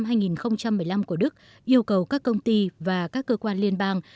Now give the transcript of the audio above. luật an ninh mạng năm hai nghìn một mươi năm của đức yêu cầu các công ty và các cơ quan liên bang